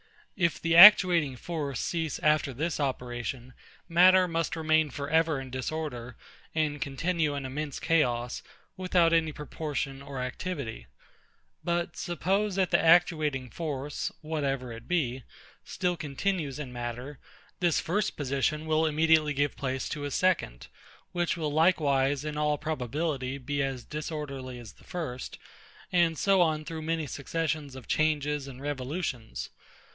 If the actuating force cease after this operation, matter must remain for ever in disorder, and continue an immense chaos, without any proportion or activity. But suppose that the actuating force, whatever it be, still continues in matter, this first position will immediately give place to a second, which will likewise in all probability be as disorderly as the first, and so on through many successions of changes and revolutions.